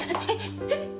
えっ？